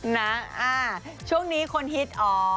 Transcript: นะช่วงนี้คนฮิตอ๋อ